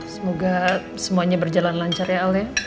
semoga semuanya berjalan lancar ya allea